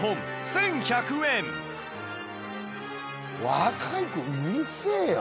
若い子うるせえよ？